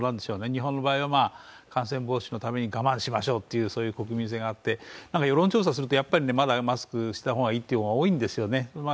日本の場合は感染防止のために我慢しましょうという国民性があって世論調査するとやっぱりまだマスクした方がいいっていう方が多いんですよね。